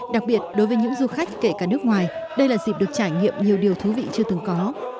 đặc biệt đối với những du khách kể cả nước ngoài đây là dịp được trải nghiệm nhiều điều thú vị chưa từng có